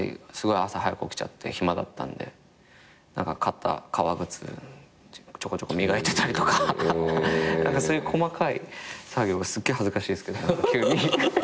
すごい朝早く起きちゃって暇だったんで買った革靴ちょこちょこ磨いてたりとかそういう細かい作業すげえ恥ずかしいですけど。